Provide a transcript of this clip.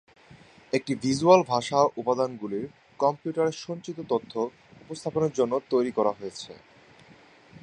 একটি ভিজ্যুয়াল ভাষা উপাদানগুলির কম্পিউটারে সঞ্চিত তথ্য উপস্থাপনের জন্য তৈরি করা হয়েছে।